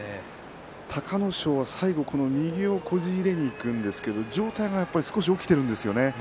隆の勝は最後右をこじ入れていくんですけれども上体が少し起きているんですよね。